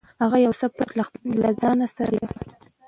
هغه یو څه پټ له ځانه سره ګړېده.